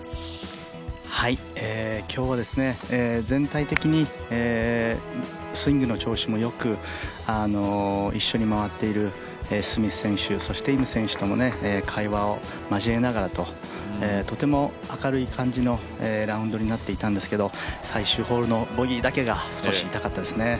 今日は全体的にスイングの調子も良く一緒に回っている、スミス選手、そしてイム選手とも会話を交えながらととても明るい感じのラウンドになっていたんですけど最終ホールのボギーだけが少し痛かったですね。